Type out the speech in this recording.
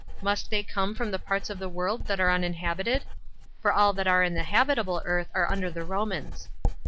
Must they come from the parts of the world that are uninhabited? for all that are in the habitable earth are [under the] Romans.